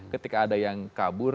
ketika ada yang kabur